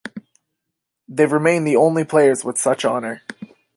They remain the only players with such honor.